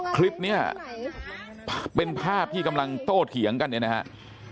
คลิปนี้เป็นภาพที่กำลังโต้เถียงกันเนี่ยนะครับ